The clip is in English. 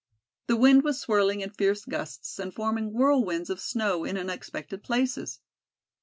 The wind was swirling in fierce gusts and forming whirlwinds of snow in unexpected places.